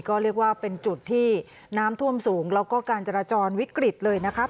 ก็เรียกว่าเป็นจุดที่น้ำท่วมสูงแล้วก็การจราจรวิกฤตเลยนะครับ